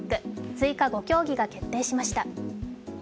追加５競技が決定しました。